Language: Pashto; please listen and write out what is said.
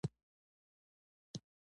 د افغانستان په منظره کې نفت ښکاره دي.